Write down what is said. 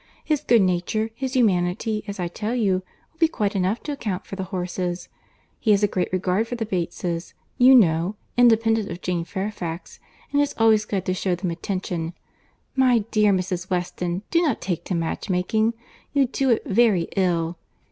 His good nature, his humanity, as I tell you, would be quite enough to account for the horses. He has a great regard for the Bateses, you know, independent of Jane Fairfax—and is always glad to shew them attention. My dear Mrs. Weston, do not take to match making. You do it very ill.